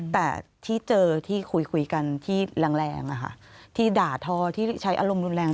แต่ที่เจอที่คุยกันที่แรงที่ด่าทอที่ใช้อารมณ์รุนแรง